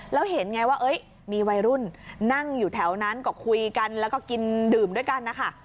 แล้วเห็นไงว่ามีวัยรุ่นนั่งอยู่แถวนั้นก็คุยกันแล้วก็กินดื่มด้วยกันนะคะ